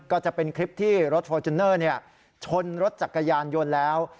ก็จะเป็นคลิปที่รถฟอร์จูเนอร์ชนรถจักรยานยนต์แล้ว